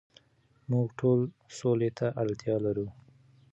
موږ ټول سولې ته اړتیا لرو.